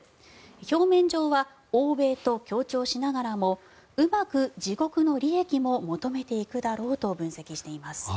表面上は欧米と協調しながらもうまく自国の利益も求めていくだろうと分析しています。